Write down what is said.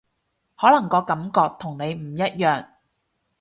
可能個感覺同你唔一樣